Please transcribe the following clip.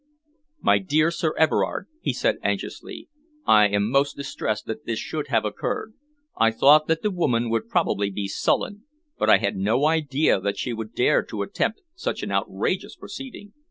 "My dear Sir Everard," he said anxiously, "I am most distressed that this should have occurred. I thought that the woman would probably be sullen, but I had no idea that she would dare to attempt such an outrageous proceeding."